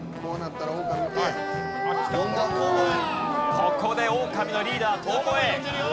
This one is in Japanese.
ここでオオカミのリーダー遠吠え。